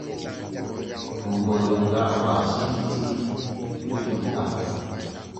Goboo riŋ ga a ʼwaa siili ti pir jòbō ga.